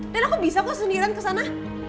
dan aku bisa kok sendirian ke sana